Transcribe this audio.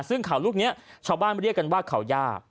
ซึ่งเขาลูกนี้ชาวบ้านเรียกกันว่าเขาย่า